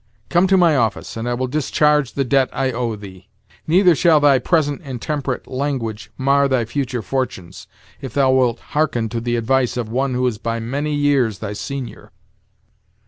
Come to my office, and I will discharge the debt I owe thee. Neither shall thy present intemperate language mar thy future fortunes, if thou wilt hearken to the advice of one who is by many years thy senior."